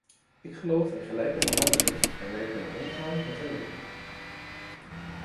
Ik geloof in gelijke behandeling en wij kunnen omgaan met een mening.